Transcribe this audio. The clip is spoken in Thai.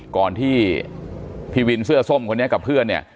ก่อนที่พี่วินเสื้อส้มคนนี้กับเพื่อนเนี่ย